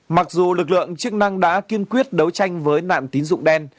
mặc dù lực lượng chức năng đã kiên quyết đấu tranh với nạn tín dụng đen